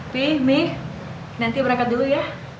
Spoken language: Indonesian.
pih mih nanti berangkat dulu ya